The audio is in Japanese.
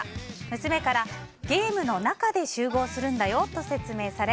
娘からゲームの中で集合するんだよと説明され